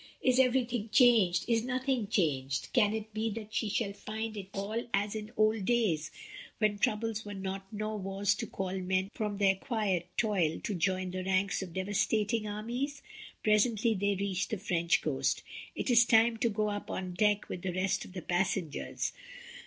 Is everything changed, is nothing changed? Can it be that she shall find it all as in old days when troubles were not, nor wars to call men from their quiet toil to join the ranks of devastating armies? Presently they reached the French coast, it is time to go up on deck with the rest of the passengers.